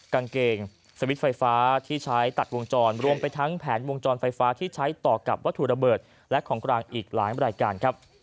กางเกงสวิตช์ไฟฟ้าที่ใช้ตัดวงจรรวมไปทั้งแผนวงจรไฟฟ้าที่ใช้ต่อกับวัตถุระเบิดและของกลางอีกหลายรายการครับ